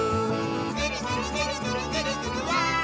「ぐるぐるぐるぐるぐるぐるわい！」